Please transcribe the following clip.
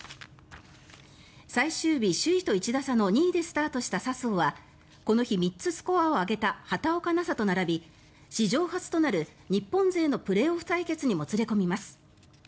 最終日、首位と１打差の２位でスタートした笹生はこの日３つスコアを上げた畑岡奈紗と並び史上初となる日本勢のプレーオフ対決にもつれ込みます。